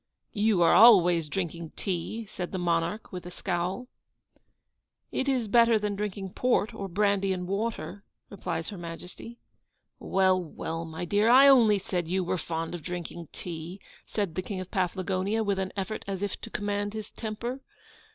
'You are always drinking tea,' said the monarch, with a scowl. 'It is better than drinking port or brandy and water;' replies Her Majesty. 'Well, well, my dear, I only said you were fond of drinking tea,' said the King of Paflagonia, with an effort as if to command his temper.